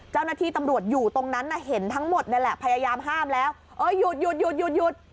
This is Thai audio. เจ้าหน้าที่ตำรวจอยู่ตรงนั้นน่ะเห็นทั้งหมดนี่แหละพยายามห้ามแล้วเออหยุดหยุดหยุด